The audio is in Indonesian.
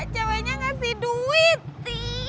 ceweknya ngasih duit